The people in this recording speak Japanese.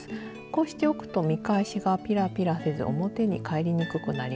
こうしておくと見返しがピラピラせず表に返りにくくなりますよ。